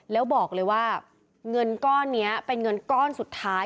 แล้วบอกเลยว่าเงินก้อนนี้เป็นเงินก้อนสุดท้าย